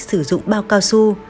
sử dụng bao cao su